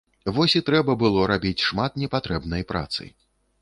Вось і трэба было рабіць шмат непатрэбнай працы.